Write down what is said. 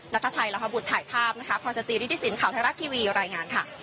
นักฐาชัยรัฐบุรตถ่ายภาพพรศจริริทศิลป์ข่าวไทยรัฐทีวีรายงานค่ะ